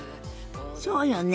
そうよね。